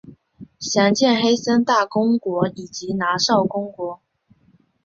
详见黑森大公国以及拿绍公国。